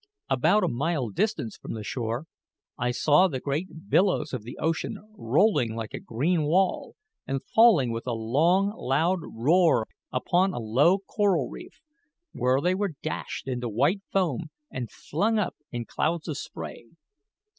About a mile distant from the shore I saw the great billows of the ocean rolling like a green wall, and falling with a long, loud roar upon a low coral reef, where they were dashed into white foam and flung up in clouds of spray.